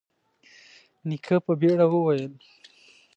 نيکه په بيړه وويل: